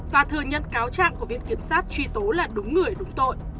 và thừa nhận cáo trạng của viện kiểm sát truy tố là đúng người đúng tội